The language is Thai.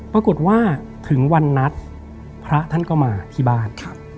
ปรากฏว่าถึงวันนัดพระท่านก็มาที่บ้าน